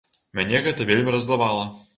Мяне гэта вельмі раззлавала.